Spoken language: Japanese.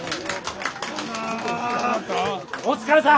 お疲れさん！